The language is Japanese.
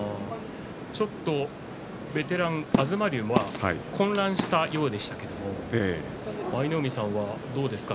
ちょっとベテラン東龍が混乱したようでしたけど舞の海さんはどうですか？